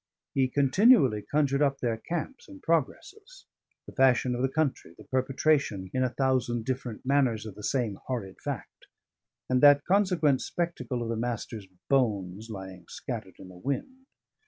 He continually conjured up their camps and progresses, the fashion of the country, the perpetration in a thousand different manners of the same horrid fact, and that consequent spectacle of the Master's bones lying scattered in the wind.